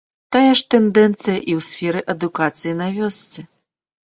Тая ж тэндэнцыя і ў сферы адукацыі на вёсцы.